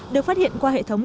được phát hiện qua hệ thống